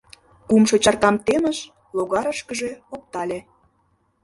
Кумшо чаркам темыш, логарышкыже оптале...